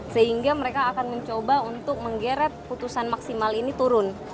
sehingga mereka akan mencoba untuk menggeret putusan maksimal ini turun